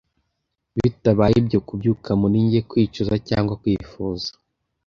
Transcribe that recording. bitabaye ibyo kubyuka muri njye kwicuza cyangwa kwifuza